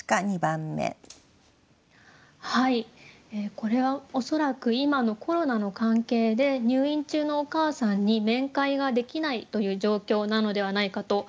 これは恐らく今のコロナの関係で入院中のお母さんに面会ができないという状況なのではないかと思いました。